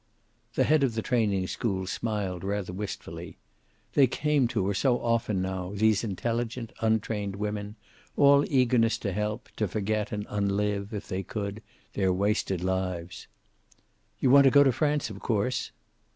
The head of the training school smiled rather wistfully. They came to her so often now, these intelligent, untrained women, all eagerness to help, to forget and unlive, if they could, their wasted lives. "You want to go to France, of course?"